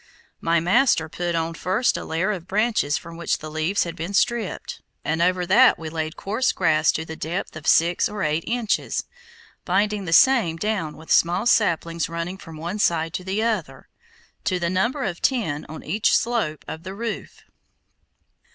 My master put on first a layer of branches from which the leaves had been stripped, and over that we laid coarse grass to the depth of six or eight inches, binding the same down with small saplings running from one side to the other, to the number of ten on each slope of the roof.